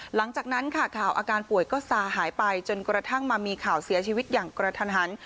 หลังจากนั้นค่ะข่าวอาการป่วยก็ซาหายไปจนกระทั่งมามีข่าวเสียชีวิตอย่างกระทันหัน